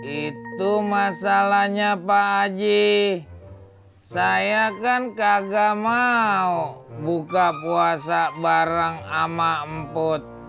itu masalahnya pak haji saya kan kagak mau buka puasa bareng sama emput